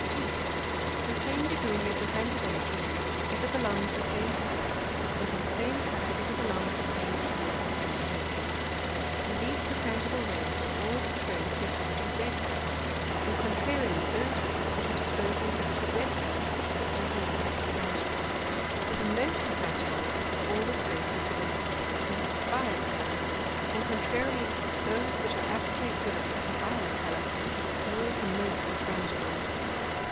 2. To the same degree of Refrangibility ever belongs the same Colour, and to the same Colour ever belongs the same degree of Refrangibility. The least Refrangible Rays are all disposed to exhibit a Red Colour, and contrarily those Rays, which are disposed to exhibit a Red Colour, are all the least Refrangible: So the most Refrangible Rays are all disposed to exhibit a deep Violet Colour, and contrarily those which are apt to exhibit such a Violet Colour, are all the most Refrangible.